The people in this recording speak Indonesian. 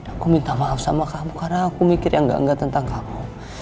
aku minta maaf sama kamu karena aku mikir yang gak gak tentang kamu